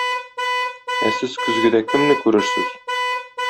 Ә сез көзгедә кемне күрерсез?